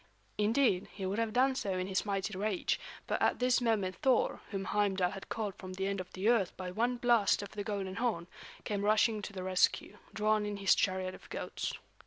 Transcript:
Indeed, he would have done so in his mighty rage; but at this moment Thor, whom Heimdal had called from the end of the earth by one blast of the golden horn, came rushing to the rescue, drawn in his chariot of goats.